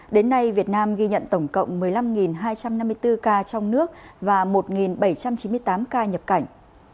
đến nay việt nam ghi nhận tổng cộng một mươi năm hai trăm năm mươi bốn ca trong nước và một bảy trăm chín mươi tám ca nhập cảnh